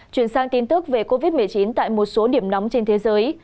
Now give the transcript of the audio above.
chuyển sang tin tức về covid một mươi chín tại một số điểm nóng trên thế giới